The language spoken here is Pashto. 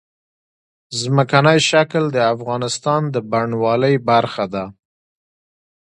ځمکنی شکل د افغانستان د بڼوالۍ برخه ده.